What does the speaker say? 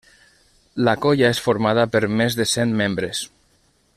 La colla és formada per més de cent membres.